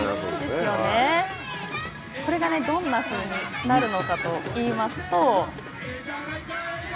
これがどんなふうになるのかといいますと。